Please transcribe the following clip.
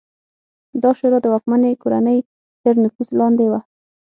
دا شورا د واکمنې کورنۍ تر نفوذ لاندې وه